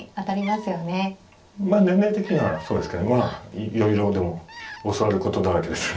まあ年齢的にはそうですけどいろいろでも教わることだらけです。